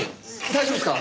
大丈夫っすか？